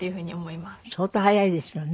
相当速いですよね。